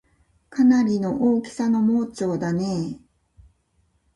かなりの大きさの盲腸だねぇ